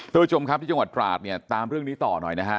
ทุกผู้ชมครับที่จังหวัดตราดเนี่ยตามเรื่องนี้ต่อหน่อยนะฮะ